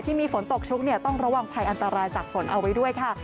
ที่มีฝนตกชุกต้องระวังภัยอันตรายจากฝนเอาไว้ด้วยค่ะ